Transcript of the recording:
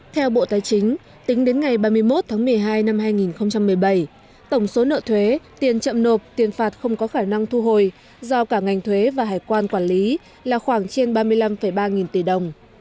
theo bộ tài chính tính đến ngày ba mươi một tháng một mươi hai năm hai nghìn một mươi bảy tổng số nợ thuế tiền chậm nộp tiền phạt không có khả năng thu hồi do cả ngành thuế và hải quan quản lý là khoảng trên ba mươi năm ba nghìn tỷ đồng